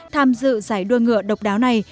tham dự giải đua ngựa độc đáo này